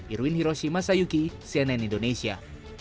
irwin hiroshi masayuki cnn indonesia